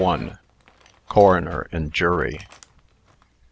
Coroner and Jury.